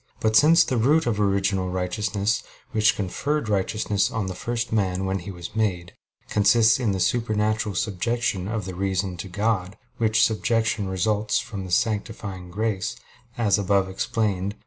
But since the root of original righteousness, which conferred righteousness on the first man when he was made, consists in the supernatural subjection of the reason to God, which subjection results from sanctifying grace, as above explained (Q.